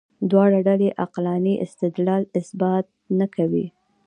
دواړه ډلې عقلاني استدلال اثبات نه کوي.